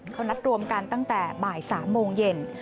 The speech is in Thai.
เขานัดรวมกันตั้งแต่บ่าย๓โมงเย็น